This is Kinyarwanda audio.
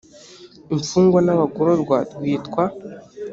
imfungwa n abagororwa rwitwa